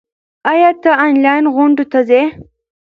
ایا ته آنلاین غونډو ته ځې؟